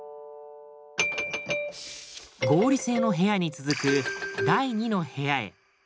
合理性の部屋に続く第２の部屋へ。